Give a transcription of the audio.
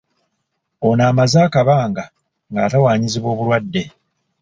Ono amaze akabanga ng'atawanyizibwa obulwadde.